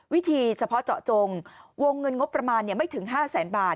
วิธีเฉพาะเจาะจงวงเงินงบประมาณไม่ถึง๕แสนบาท